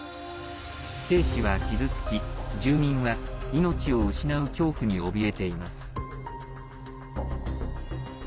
兵士は傷つき、住民は命を失う恐怖におびえています。